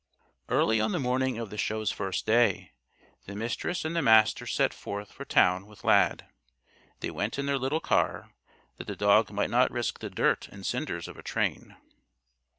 Early on the morning of the Show's first day, the Mistress and the Master set forth for town with Lad. They went in their little car, that the dog might not risk the dirt and cinders of a train.